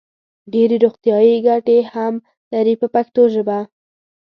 ډېرې روغتیايي ګټې هم لري په پښتو ژبه.